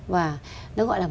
và nó gọi là